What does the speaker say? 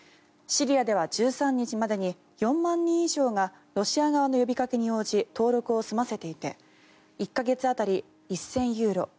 シリアでは１３日までに４万人以上がロシア側の呼びかけに応じ登録を済ませていて１か月当たり１０００ユーロ